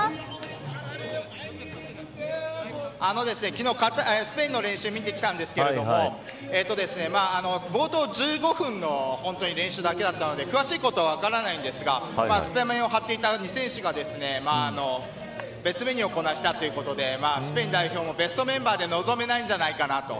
昨日スペインの練習を見てきたんですけど冒頭１５分の練習だけだったので詳しいことは分からないんですがスタメンをはっていた選手が別メニューをこなしていたということで、スペイン代表もベストメンバーで臨めないんじゃないかなと。